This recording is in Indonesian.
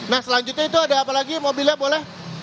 nah selanjutnya itu ada apalagi mobilnya boleh